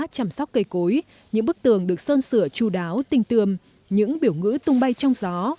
chăm sóc cây cối những bức tường được sơn sửa chú đáo tinh tường những biểu ngữ tung bay trong gió